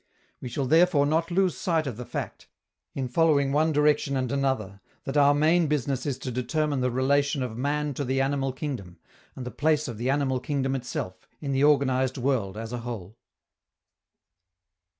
We shall therefore not lose sight of the fact, in following one direction and another, that our main business is to determine the relation of man to the animal kingdom, and the place of the animal kingdom itself in the organized world as a whole.